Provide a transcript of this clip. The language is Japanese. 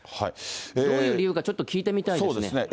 どういう理由かちょっと聞いてみたいですね。